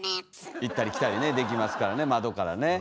行ったり来たりねできますからね窓からね。